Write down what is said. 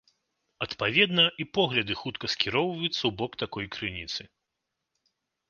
Адпаведна, і погляды хутка скіроўваюцца ў бок такой крыніцы.